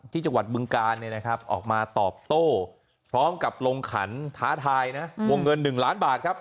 จังหวัดบึงกาลออกมาตอบโต้พร้อมกับลงขันท้าทายนะวงเงิน๑ล้านบาทครับ